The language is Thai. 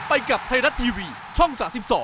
ไปกับไทยรัฐทีวีช่อง๓๒